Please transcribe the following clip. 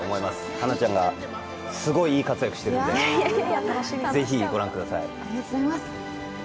花ちゃんが、すごいいい活躍してるのでぜひ御覧ください。